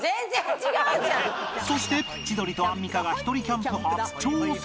そして千鳥とアンミカがひとりキャンプ初挑戦！